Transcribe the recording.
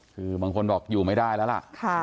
คือบางคนบอกอยู่ไม่ได้แล้วล่ะ